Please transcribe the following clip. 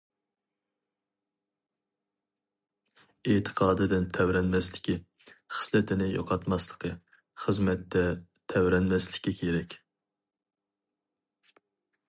ئېتىقادىدىن تەۋرەنمەسلىكى، خىسلىتىنى يوقاتماسلىقى، خىزمەتتە تەۋرەنمەسلىكى كېرەك.